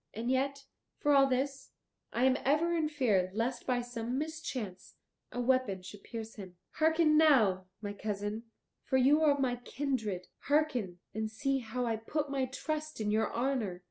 And yet, for all this, I am ever in fear lest by some mischance a weapon should pierce him. Hearken now, my cousin, for you are of my kindred, hearken, and see how I put my trust in your honour.